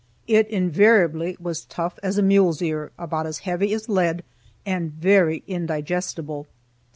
It invariably was tough as a mule's ear, about as heavy as lead, and very indigestible.